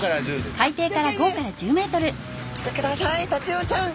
来てくださいタチウオちゃん！